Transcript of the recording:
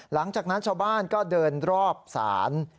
หลังจากนั้นชาวบ้านก็เดินรอบศาล